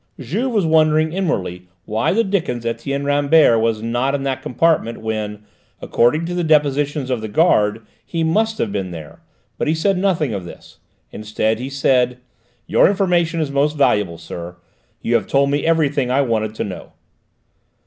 Juve was wondering inwardly why the dickens Etienne Rambert was not in that compartment when, according to the depositions of the guard, he must have been there; but he said nothing of this. Instead, he said: "Your information is most valuable, sir. You have told me everything I wanted to know."